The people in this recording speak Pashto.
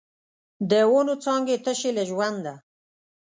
د ونو څانګې تشې له ژونده